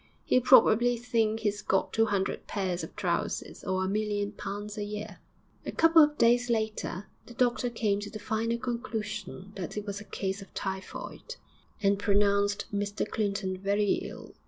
He'll probably think he's got two hundred pairs of trousers or a million pounds a year.' A couple of days later the doctor came to the final conclusion that it was a case of typhoid, and pronounced Mr Clinton very ill.